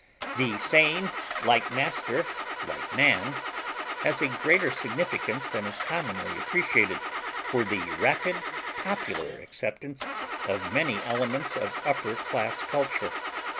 The saying "Like master, like man," has a greater significance than is commonly appreciated for the rapid popular acceptance of many elements of upper class culture.